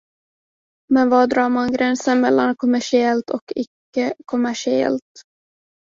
Men var drar man gränsen mellan kommersiellt och ickekommersiellt?